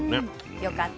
よかった。